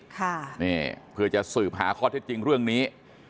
ค่ะนี่เพื่อจะสืบหาข้อเท็จจริงเรื่องนี้